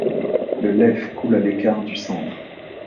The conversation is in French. Le Leff coule à l'écart du centre.